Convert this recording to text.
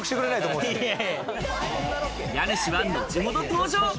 家主は後ほど登場。